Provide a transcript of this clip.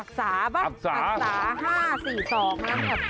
อักษาบ้างอักษา๕๔๒นะครับ